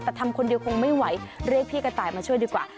แต่ทำคนเดียวคงไม่ไหวเรียกพี่กระต่ายมาช่วยดีกว่า